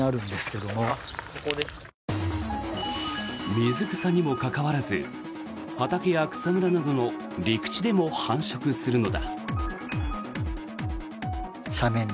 水草にもかかわらず畑や草むらなどの陸地でも繁殖するのだ。